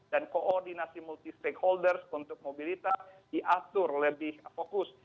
dan koordinasi multi stakeholder untuk mobilitas diatur lebih fokus